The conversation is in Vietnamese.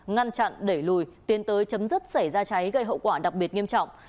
ngăn chặn đẩy lùi tiến tới chấm dứt xảy ra cháy gây hậu quả đặc biệt nghiêm trọng